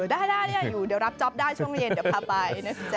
ได้อยากอยู่เดี๋ยวรับจ๊อปได้ช่วงเย็นเดี๋ยวพาไปนะสิจ๊